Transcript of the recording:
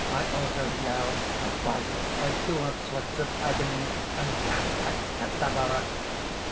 I also yell; I bite! I, too, have sweats of agony, and aspects cadaverous!"